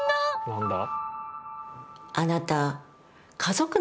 何だ？